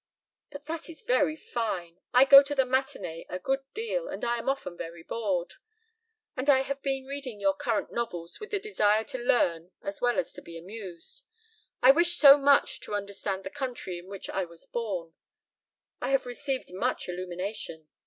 "But that is very fine. ... I go to the matinee a good deal and I am often very bored. And I have been reading your current novels with the desire to learn as well as to be amused. I wish so much to understand the country in which I was born. I have received much illumination!